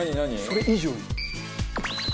「それ以上に」